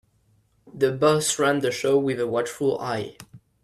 The boss ran the show with a watchful eye.